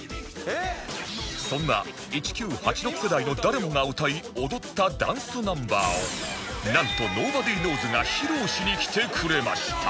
そんな１９８６世代の誰もが歌い踊ったダンスナンバーをなんと ｎｏｂｏｄｙｋｎｏｗｓ＋ が披露しに来てくれました